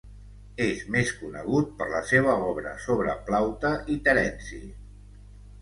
És més conegut per la seva obra sobre Plaute i Terenci.